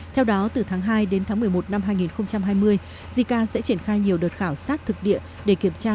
theo đó từ tháng hai đến tháng một mươi một năm hai nghìn hai mươi jica sẽ triển khai nhiều đợt khảo sát thực địa để kiểm tra